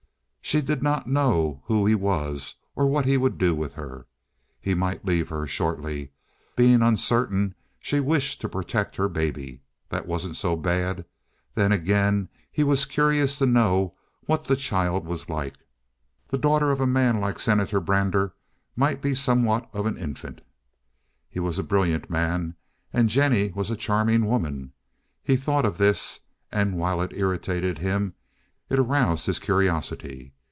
She did not know who he was or what he would do with her. He might leave her shortly. Being uncertain, she wished to protect her baby. That wasn't so bad. Then again, he was curious to know what the child was like. The daughter of a man like Senator Brander might be somewhat of an infant. He was a brilliant man and Jennie was a charming woman. He thought of this, and, while it irritated him, it aroused his curiosity.